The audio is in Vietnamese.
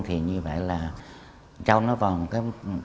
thì như vậy là châu nó vào